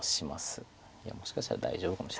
いやもしかしたら大丈夫かも。